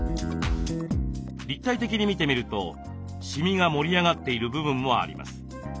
立体的に見てみるとシミが盛り上がっている部分もあります。